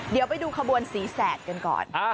เดี๋ยวไปดูขบวนสีแสดกันก่อน